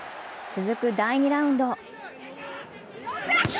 続く第２ラウンド。